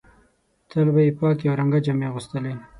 تل به یې پاکې او رنګه جامې اغوستلې.